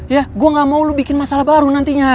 ya gue gak mau lu bikin masalah baru nantinya